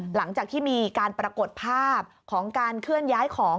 หลังจากที่มีการปรากฏภาพของการเคลื่อนย้ายของ